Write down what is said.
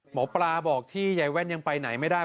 หมอปลาบอกที่ยายแว่นยังไปไหนไม่ได้